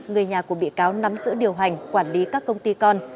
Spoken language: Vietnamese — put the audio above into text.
người nhà của bị cáo nắm giữ điều hành quản lý các công ty con